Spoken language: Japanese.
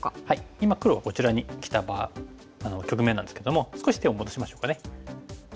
今黒がこちらにきた局面なんですけども少し手を戻しましょうかね。